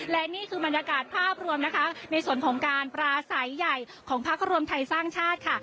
และนี่คือบรรยากาศภาพรวมนะคะในส่วนของการปราศัยใหญ่ของพักรวมไทยสร้างชาติค่ะ